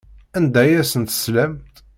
Anda ay asent-teslamt?